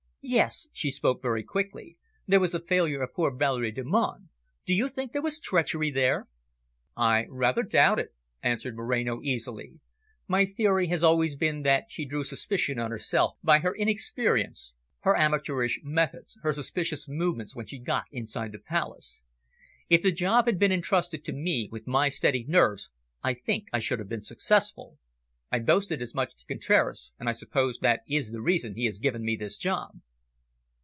"Yes." She spoke very quickly. "There was the failure of poor Valerie Delmonte. Do you think there was treachery there?" "I rather doubt it," answered Moreno easily. "My theory has always been that she drew suspicion on herself by her inexperience, her amateurish methods, her suspicious movements when she got inside the Palace. If the job had been entrusted to me, with my steady nerves, I think I should have been successful. I boasted as much to Contraras, and I suppose that is the reason he has given me this job."